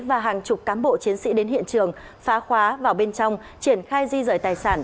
và hàng chục cán bộ chiến sĩ đến hiện trường phá khóa vào bên trong triển khai di rời tài sản